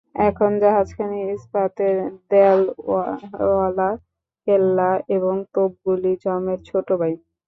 এখন জাহাজখানি ইস্পাতের দ্যালওয়ালা কেল্লা, আর তোপগুলি যমের ছোট ভাই।